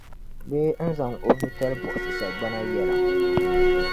bee n-zaŋ o nutali buɣisi sagbana yɛliŋ.